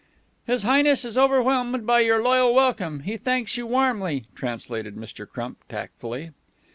"'His Highness is overwhelmed by your loyal welcome. He thanks you warmly,'" translated Mr. Crump, tactfully.